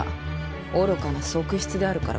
愚かな側室であるからか？